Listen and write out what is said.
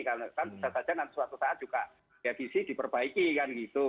kalau kan bisa saja suatu saat juga devisi diperbaiki kan gitu